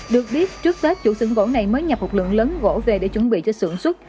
được biết trước tết chủ sưởng gỗ này mới nhập một lượng lớn gỗ về để chuẩn bị cho sưởng xuất